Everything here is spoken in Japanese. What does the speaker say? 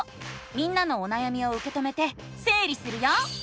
みんなのおなやみをうけ止めてせい理するよ！